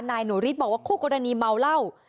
นายหนูฤทธิ์บอกว่าคู่กรณีเมาเหล้า